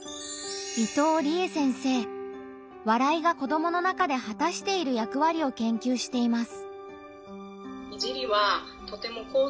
「笑い」が子どもの中ではたしている役割を研究しています。